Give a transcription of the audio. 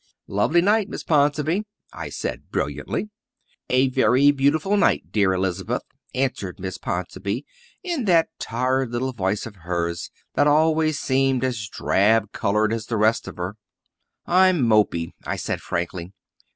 "Lovely night, Miss Ponsonby," I said brilliantly. "A very beautiful night, dear Elizabeth," answered Miss Ponsonby in that tired little voice of hers that always seemed as drab coloured as the rest of her. "I'm mopy," I said frankly.